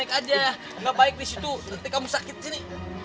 nggak baik disitu nanti kamu sakit disini